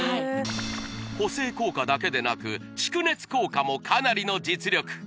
補整効果だけでなく蓄熱効果もかなりの実力